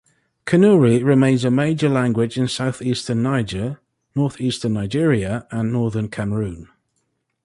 Kanuri remains a major language in southeastern Niger, northeastern Nigeria and northern Cameroon.